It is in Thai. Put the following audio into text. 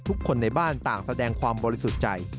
ทุกคนในบ้านต่างแสดงความบริสุทธิ์ใจ